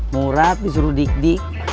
murad disuruh dik dik